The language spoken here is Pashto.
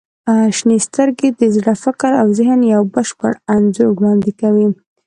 • شنې سترګې د زړه، فکر او ذهن یو بشپړ انځور وړاندې کوي.